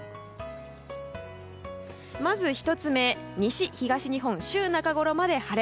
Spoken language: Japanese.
まず１つ目、西・東日本週中ごろまで晴れ。